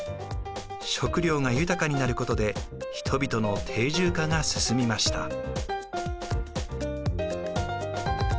食料が豊かになることで人々の定住化が進みました。